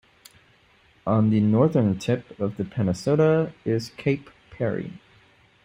On the northern tip of the peninsula is Cape Parry.